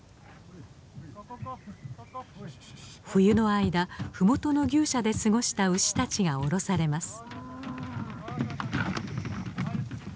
冬の間ふもとの牛舎で過ごした牛たちがおろされます。